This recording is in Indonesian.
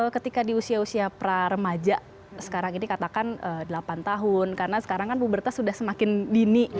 ketika di usia usia pra remaja sekarang ini katakan delapan tahun karena sekarang kan pubertas sudah semakin dini